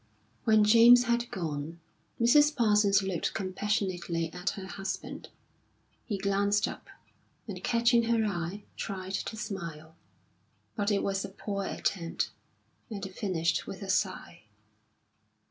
When James had gone, Mrs. Parsons looked compassionately at her husband; he glanced up, and catching her eye, tried to smile. But it was a poor attempt, and it finished with a sigh.